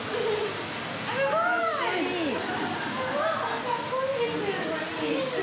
すごい！かっこいい！